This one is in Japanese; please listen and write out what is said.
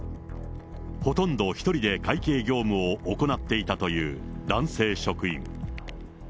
ほとんど１人で会計業務を行っていたという男性職員。